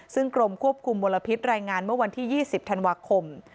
ซึ่งกรมควบคุมมลพิษรายงานเมื่อวันที่๒๐ธันวาคม